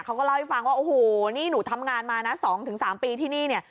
เขาก็เล่าให้ฟังว่าโอ้โหนี่หนูทำงานมานะ๒๓ปีที่นี่เนี่ย